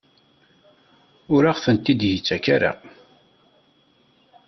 Ur aɣ-tent-id-yettak ara?